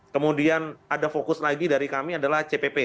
kemudian ada fokus lagi dari kami adalah cpp